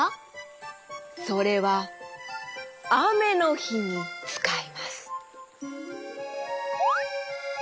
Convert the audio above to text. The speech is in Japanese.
それはあめのひにつかいます。